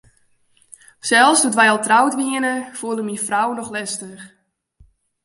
Sels doe't wy al troud wiene, foel er myn frou noch lestich.